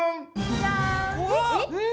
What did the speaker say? じゃん！